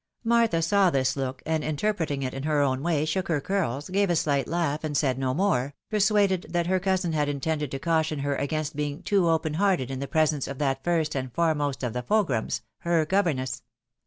Martha saw this look, and interpreting it her own way, shook her curls, gave a slight laugh, and said no more, persuaded that her coiisin had intended to caution her against being too open hearted in the presence of that first and foremost of fogrums, her governess.